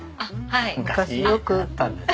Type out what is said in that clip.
昔あったんです。